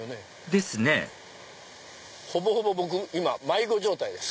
ですねほぼほぼ僕今迷子状態です。